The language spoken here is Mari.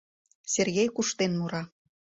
Сергей куштен мура.